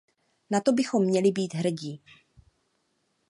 Na to bychom měli být hrdí.